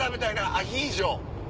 アヒージョ。